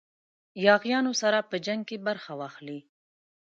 یاغیانو سره په جنګ کې برخه واخلي.